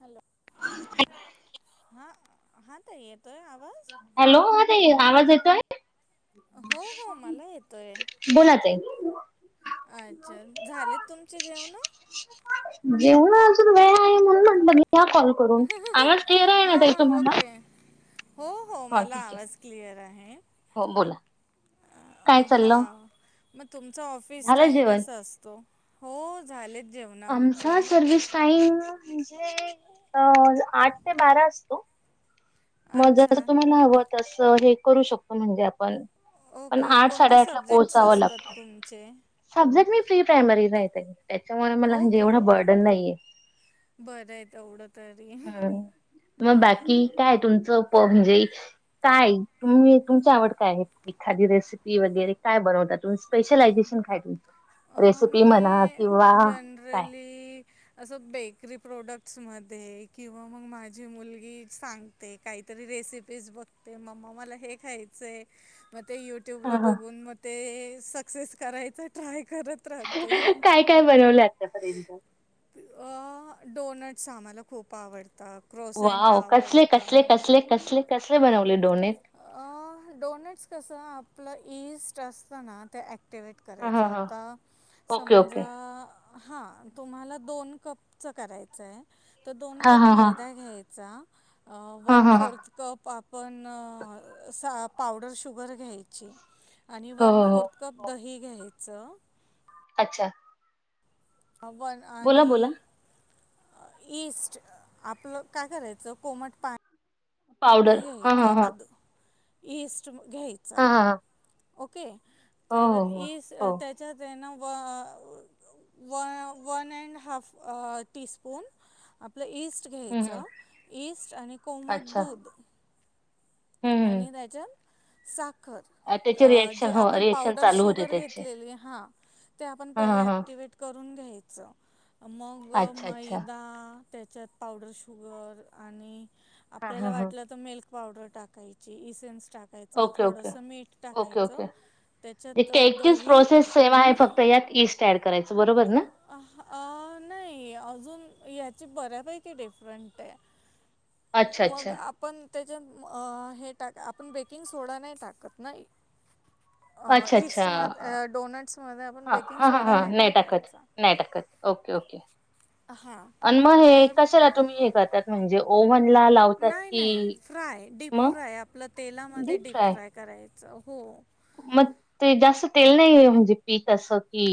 Hello! [unintelligible] हॅ हा, हा ताई येतोय आवाज? हॅलो, हा ताई आवाज येतोय? हो, हो मला येतोय. बोला, ताई अच्छा, झालेत तुमची जेवण? जेवण, अ अजून वेळ आहे, म्हणून म्हटलं मी करून, आवाज क्लिअर आहे, ना हा ताई तुम्हाला, ओके. हो, हो हा मला ठीक आहे आवाज, क्लिअर आहे. हो, बोला काय चालल. हां मग, तुमचा ऑफिस टाईम कसा असतो, हो झाले. आमचा सर्विस टाईम म्हणजे, आठ ते बारा असतो. मग, जर अच्छा तुम्हाला हवं त अस हे करू शकतो, म्हणजे आपण, पण, ओके आठ कोणते साडेआठ ला सब्जेक्ट्स पोहचावं लागतं. असतात तुमचे? सब्जेक्ट, मी प्री प्रायमरी राहते, त्याच्यामुळे मला ओके. जेएवढं बर्डन नाही येत. बरं आहे तेवढं तरी हम्, मग बाकी काय तुमचं प म्हणजे, काय, तुम्ही तुमची आवड काय आहे? एखादी रेसिपी वगैरे काय बनवता तुम् स्पेशलायझेशन काय आहे तुमचं, रेसिपी म्हणा किंवा, काय ररली, असं बेकरी प्रोडक्ट्समध्ये, किंवा मग माझी मुलगी सांग ते, काहीतरी रेसिपीज बघते. मम्मा मला हे खायचंय मग ते यु हा, ट्यूबला हा. बघून, मग ते सक्सेस करायचं, ट्राय करत. राहते काय, काय बनवलं आतापर्यंत? अ, डोनट्स आम्हाला खूप आवडतात. क्रोसेंट वाव, कसले -कसले- आवडतात कसले- कसले -कसले बनवले डोनेट. डोनट्स कसं, आपलं इशट असताना ते, ॲक्टिवेट, हा हा करायचां हा आता ओके ओके समजा हा, तुम्हाला दोन कपच, करायचं आहे. तर, दोन हा कप हा हा मैदा घ्यायचा, हा वन हा हा फोर्थ कप आप पण, सा पावडर शुगर घ्यायची, आणि हो वन हो हो फोर्थ, कप हो दही घ्यायचं. अच्छा, वन बोला आणि, बोला ईस्ट, आपलं काय करायचं, कोमट पाणी पावडर नाही हा घयच, हा हा अ इस्ट घ्यायच हा हा हा ओके. हो तर, हो हो ई हो त्याच्यात ना, व व -वन अँड हाफ टीस्पून, आपलं इस्ट हम्म हम्म घ्यायचं, ईस्ट आणि कोमट अच्छा दूध, हम्म हम्म आणि त्याच्यात, साखर, त्याचे रिएक्शन जे हो आपण रिएक्शन पावडर चालू होते शुगर त्याचे घेतलेली हां, ते आपण ह पहिलं ह ह ॲक्टिवेट करून घ्यायचं मग अच्छा अच्छा मैदा त्याच्यात पावडर शुगर आणि हा हा आपल्याला हा वाटलं तर मिल्क पावडर टाक कायची इसेन्स टाक कायचा ओके ओके थोडंसं मीठ ओके ओके टाकायचं म्हणजे त्याच्यात केकचीच दही. प्रोसेस सेम आहे फक्त यात इईस्ट ऍड करायचं बरोबर ना अह नाही अजून याची बऱ्यापैकी डिफरंट आहे अच्छा मग अच्छा आपण त्याच्यात अह हे टाक आपण बेकिंग सोडा नाही टाकत ना अच्छा अह अच्छा ईस्ट मग डोनट्स मध्ये आपण हा बेकिंग हा हा सोडा हा नाही टाकत टाकायचा नाही टाकत ओके ओके हां आणि मग हे तर कशाला तुम्ही हे करतात म्हणजे ओव्हन ला लाव नाही नाही फ्राय डीप फ्राय आपलं तेलामध्ये डीप फ्राय करायचं हो मग ते जास्त तेल नाही म्हणजे पीत असं की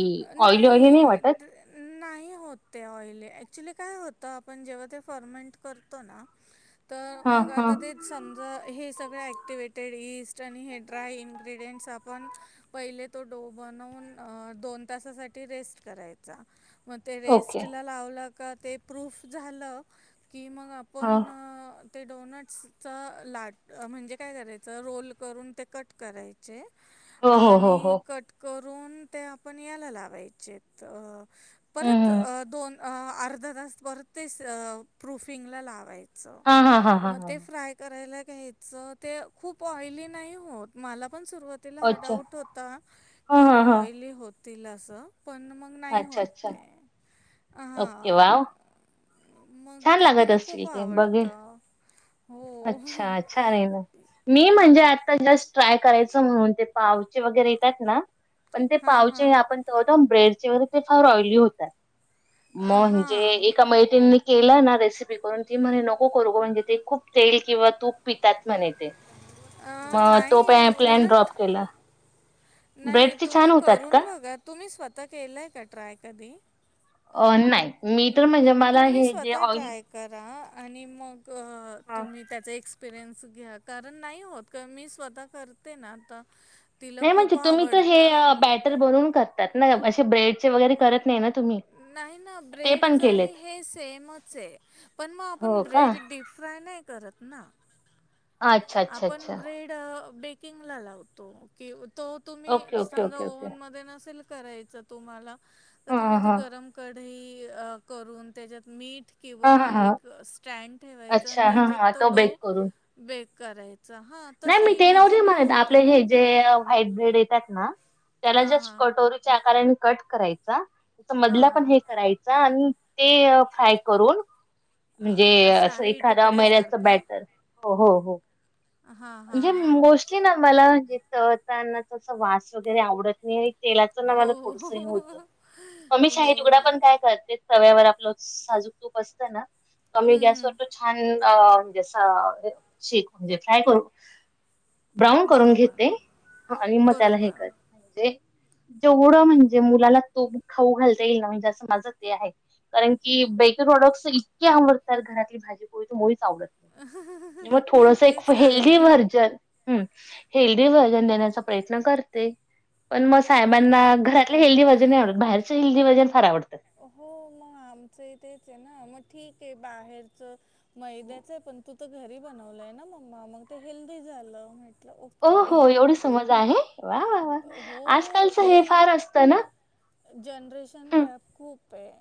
ऑइली ऑइली नाही वाटत नाही होत ते ऑइली ॲक्च्युली काय होतं आपण जेव्हा ते फर्मेंट करतो ना तर हा मग हा आता ते समजा हे सगळं ॲक्टिवेटेड इस्ट आणि हे ड्राय इंग्रिडियंट्स आपण पहिले तो डो बनवून दोन तासासाठी रेस्ट करायचा. मग ते ओके रेस्टला लावला का ते प्रूफ झालं की मग हा आपण ते डोनाट्स च लाट म्हणजे काय करायचं रोल करून ते कट कराय चे हो हो हो आणि हो कट करुन ते आप पण याला लावायचेत अह हम्म परत हम्म. अह दोन अह अर्धा तास परत ते अह प्रुफिंगला लावाय च हा हा हा हा मग हा. ते फ्राय करायला घ्यायचं ते खूप ऑइली नाही होत मला पण सुरुवात तीला हा अच्छा. डाऊट होता हा की हा हे हा. ऑली होतील अस पण मग नाही अच्छा होत अच्छा. ते हा ओके वाव. मग छान ते लागत तिला असतील खूप ते आवडत बघेल. अच्छा छान आहे मग मी अ, म्हणजे पहिलाच ट्राय करायच म्हणून ते पावचे वगैरे येतात ना पण ते हां, हां. पावचे आपण [unintelligible] ब्रेडचे वगैरे ते फार ऑइली होतात अ, म्हणजे हां. एका मैत्रिणींनी केला ना रेसिपी करून ती म्हणे नको करू ग म्हणजे ते खूप तेल किंवा तूप पितात म्हणे ते अं, मग तो प नाही प्लॅन उलट ड्रॉप केला नाही ब्रेडचे तुम्ही छान होतात का? करून बघा तुम्ही स्वतः केलंय का ट्राय कधी? अह नाही मी तर म्हणजे मला तुम्ही हे जे स्वतः ऑइल ट्राय करा आणि मग अह हां. तुम्ही त्याच एक्स पिरियन्स घ्या कारण नाही होत कारण मी स्वतः करते ना आता नाही म्हणजे तुम्ही तर हे बॅटर भरून करतात ना असे ब्रेड चे वगैरे करत नाही ना तुम्ही नाही ना ते पण ब्रेडच आणि केलेत? हे सेमच आहे, पण मग आपण हो का? ब्रेड डीप फ्राय नाही करत ना अच्छा, अच्छा, आपण अच्छा. ब्रेड बेकिंग ला लावतो कि तो तुम्ही ओके, ओके, समजा ओके, ओके. ओव्हन मध्ये नसेल करायचं तुम्हाला तर हां, तुम्ही हां, ते हां. गरम कढई करून त्याच्यात मीठ किंवा हां, मग हां, हां. एक स्टँड ठेवायच आणि अच्छा. हां, हां. त्याच्यात तो डो बेक करून. बेक करायचा, हा नाही मी ते नव्हती आपले हे जे व्हाईट ब्रेड येतात ना त्याला हां जस्ट हां कटोरीच्या आकाराने कट करायचा त हां मधला पण हे हां करायचा आणि ते अ फ्राय करून म्हणजे अ, असं शाही एखाद महिन्याचं तुकड्यासारखं बॅटर, हो हो हो हां हां म्हणजे हां मोस्टली ना मला म्हणजे तळतानाचा असा वास वगैरे आवडत मी तेलाच ना हो मला हो थोडस हे होतं, मग मी हो शाही तुकडा हो. पण काय करते तव्यावर आपलं साजूक तूप असतं ना, का मी हम्म, गॅसवर पण हम्म. छान अ म्हणजे असा शेक म्हणजे फ्राय करू? ब्राऊन करून बरोबर घेते आणि मग त्याला हे बरोबर करते जे जेवढं म्हणजे मुलाला तूप खाऊ घालता येईल ना, म्हणजे असं माझं ते आहे. कारण की बेकरी प्रॉडक्टस इतके आवडतात, घरातली भाजीपोळी तर मुळीच आवडत मग ते थोडस ते एक [unintelligible] हेल्दी व्हर्जन, हम्म हेल्दी व्हर्जन देण्याचा प्रयत्न करते. पण मग हो साहेबांना घरातलं हेल्दी व्हर्जन नाही आवडत बाहेरच हेल्दी व्हर्जन फार आवडतं. हो मग आमचं ही तेच आहे ना, मग ठीक आहे बाहेरच मैद्याच आहे पण तू तर घरी बनवलंय ना मम्मा मग ते हेल्दी झालं, म्हंट हो हो एवढी समज आहे, वा वा वा हो आजकालचं हे ती फार असतं ना जनरेशन हं, गॅप खूप आहे.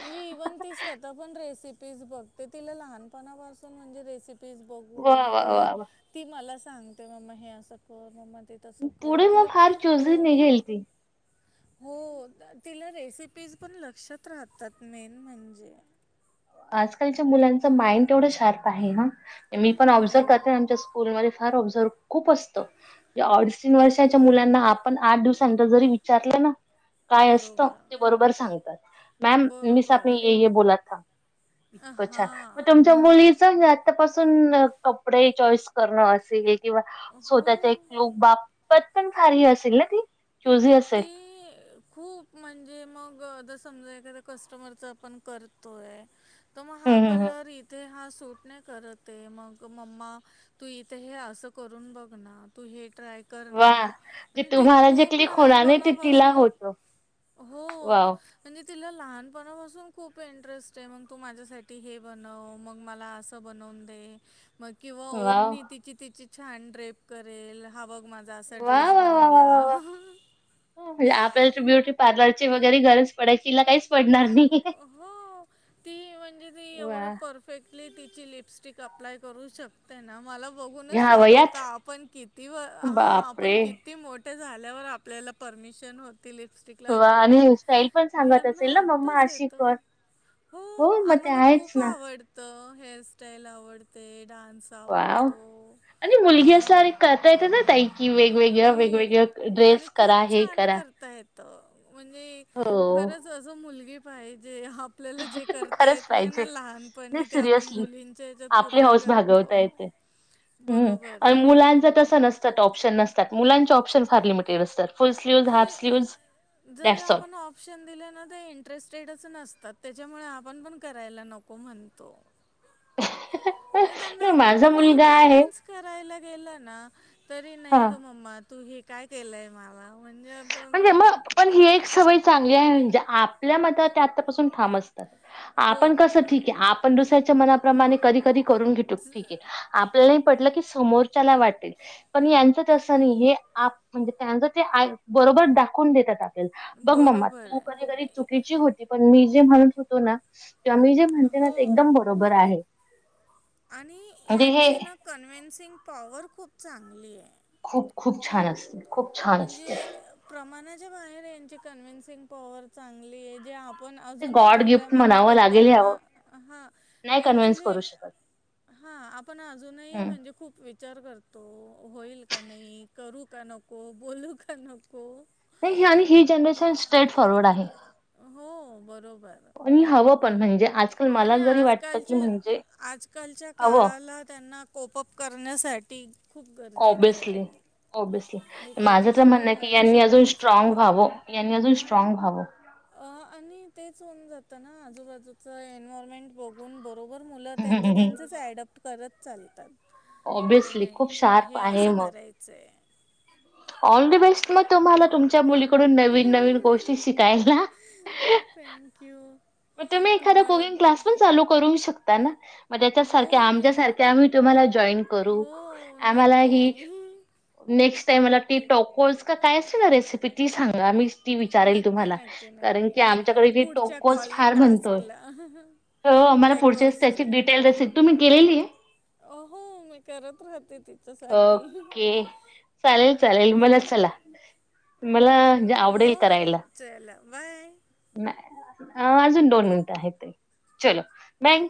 म्हणजे इव्हन ती स्वतः पण रेसिपीज बघते तिला लहानपणापासून म्हणजे रेसिपी पिज वा बघून वा वा ते वा ती मला सांगते मम्मा हे असं कर मम्मा ते तसं कर पुढे मग तिला फार खूप अ चुजी निघेल ती. हो, तिला रेसिपीज पण लक्षात राहतात मेन म्हणजे. आजकालच्या मुलांच माइंड तेवढं शार्प आहे ना, मी पण हो ऑब्झर्व्ह करते आमच्या स्कू स्कूलमध्ये फार ऑबझर्व्ह खूप असतं म्हणजे अडीच तीन वर्षाच्या मुलांना आपण आठ दिवसानंतर जरी विचारलं ना काय असत बरोबर ते बरोबर सांगतात, मॅम मिस आप बरोबर ने ये ये आहे बोला था. इतक छान, मग हां तुमच्या मुलीच म आतापासून कपडे चॉईस करणं असेल किंवा, स्वतःच्या हो एक लूक बापत पण भारी असेल ना ती? चुझी असेल ती खूप म्हणजे मग जर समजा एखाद्या कस्टमरच आपण करतोय तर म हम्म हा हम्म कलर इथे हा सूट नाही करत ये, मग मम्मा तू इथे हे असं करून बघ ना तू हे ट्राय कर हम्म वा ना जे म्हणजे ती खूप लहानपणापासून हो हो म्हणजे तिला लहानपणापासून खूप इंटरेस्ट आहे, मंग तू माझ्यासाठी हे बनव मग मला अस बनवून दे, मग किंवा वाव ओढणी तिची तिची छान ड्रेप करेल हा बघ माझा असा ड्रेस बनला, हा हा हो म्हणजे आपल्याला तर ब्युटी पार्लरची वगैरे गरज पडायची तिला काहीच पडणार नाही हो, ती म्हणजे ती वा एवढं परफ परफेक्टली तिची लिपस्टिक अप्लाय करू शकते ना मला बघूनच ह्या शॉक होता वयात आपण किती व, हा आपण बापरे किती मोठ मोठे झाल्यावर आपल्याला परमिशन होती लिपस्टिक वा आणि लावायची हेअरस्टाईल पण सांगत ह्यांना असेल ना मम्मा तसं अशी येतं, कर हो मग ते आम्हाला आहेच खूप ना. आवड त हेअरस्टाईल आवडते, डान्स वाव आवडतो अ ते येत ना ताई की वेगवेगळ वेगवेगळ ड्रेस करा, हे करा. अ, म्हणजे हो खरंच असं मुलगी पाहिजे ह आपल्याला जे करता खरंच येत नाही पाहिजे ना नाही लहानपणी ते आपण सिरियसली मुलींच्या ह्याच्यात पूर्ण करतो. हं, बरोबर आणि आहे मुलांच तस नसततात ऑप्शन नसतात मुलांचे ऑप्शन फार लिमिटेड असतात. फुल स्लीवज आणि हाफ स्लीवज जरी [unintelligible] आपण ऑप्शन दिल्यान ते इंटरेस्टेडच नसतात, त्याच्यामुळे आपण पण करायला नको म्हणतो. ह ह, म्हणजे त्यांना आपण कितीही कन्व्हेन्स करायला गेल ना तरी नाही हा ग मम्मा तू हे काय केलंय मला म्हणजे आता म्हणजे मग पण ही एक सवय चांगली आहे म्हणजे आपल्या मतात ते आत्तापासून ठाम अस आपण हो कसं ठीक आहे, आपण दुसऱ्याच्या मनाप्रमाणे कधी कधी करून घेतो ठीक हे. आपल्याला ही पटलं की समोरच्याला वाटेल. पण यांचं तसं नाही हे आप म्हणजे त्यांचं ते आय बरोबर दाखवून देतात आपल्याला बघ मम्मा बरोबर तू कधी कधी आहे. चुकीची होती पण मी जे म्हणत होतो ना किंवा, मी जे म्हणते ना ते एकदम हो बरोबर आहे. आणि म्हणजे हे यांचेना कन्वेन्सिंग पॉवर खूप चांगली आहे. खूप खूप छान असते. खूप छान म्हणजे असते. प्रमाणाच्या बाहेर यांची कन्व्हेन्सिंग पॉवर चांगली आहे जे पण ते अजून पण गॉड आपल्या गिफ्ट मम्मी म्हणावं लागेल पप्पांना ह्यावं हा नाही कन्व्हिन्स ॲक्च्युली करू शकत. हा आपण अजूनही हम्म. म्हणजे खूप वि विचार करतो होईल का नाही करू का नको बोलू का नको नाही आणि ही जनरेशन स्ट्रेट फॉरवर्ड आहे. हो बरोबर. आणि हवं पण म्हणजे आज आणि आजकालच्या आजकालच्या हवं काळाला त्यांना [unintelligible] करण्यासाठी - ऑब्यसली ऑब्यसली म्हणजे माझं तर त्याच्याशिवाय म्हणणं आहे की, होणं यांनी अजून शक्यच स्ट्रॉग नाही व्हावं. यांनी अजून स्ट्रॉंग व्हावं. अ आणि तेच होऊन जातना आजूबाजूचा एन्वरमेंट बघून बघू बरोबर मुलं त्यांच त्यांचच ॲडप्ट करत चालतात. कि ऑब्विसली खूप नाही शार्प हे आहे असं मग करायचंय ऑल द बेस्ट मग तुम्हाला तुमच्या मुलीकडून नवीन नवीन गोष्टी शिकायला. थँक्यू. मग तुम्ही एखादा कुकिंग क्लास पण चालू करू शकता ना मग त्याच्या हो सारख्या मी आमच्या सारखे आम्ही तुम्हाला जॉईन करू हो आम्हाला हि नक्की नेक्स्ट टाईम मला ती टोकोल्स काय असते ना रेसिपी ती सांगा मी ती विचारेल नक्की तुम्हाला, नक्की कारण नक्की की नक्की आमच्याकडे पुढच्या टोकोल्स कॉल म्हणतोय टास्कला हो आम्हाला पुढचे त्याची टॅकोसचे डिटेल रस तुम्ही गेलेली अ हो मी करत राहते ती. ओके चालेल चालेल नक्की मला चला नक्की मला म्हणजे हो आवडेल हो करायला. चला बाय. अजून दोन मिनिटं आहेत तरी चलो बाय.